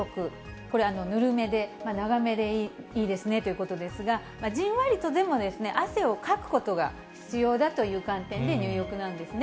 これはぬるめで、長めでいいですねということですが、じんわりとでも汗をかくことが必要だという観点で入浴なんですね。